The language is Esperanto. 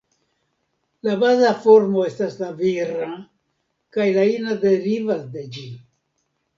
La baza formo estas la vira, kaj la ina derivas de ĝi.